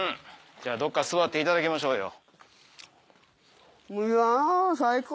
どっか座っていただきましょうよ。